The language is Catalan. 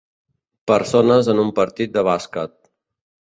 Persones en un partit de bàsquet.